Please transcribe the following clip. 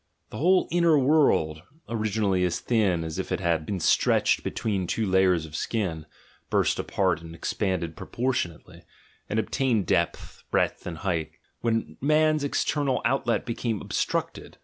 The whole inner world, originally as thin as if it had been stretched be tween two layers of skin, burst apart and expanded pro portionately, and obtained depth, breadth, and height, when man's external outlet became obstructed.